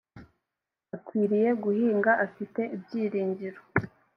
akwiriye guhinga afite ibyiringiro